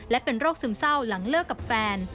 และเป็นโรคซึมเศร้าหลังเลิกกับแฟน